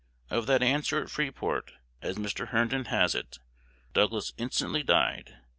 "Of that answer at Freeport," as Mr. Herndon has it, Douglas "instantly died.